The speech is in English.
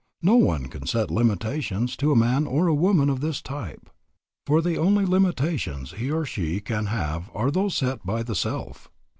No one can set limitations to a man or a woman of this type; for the only limitations he or she can have are those set by the self.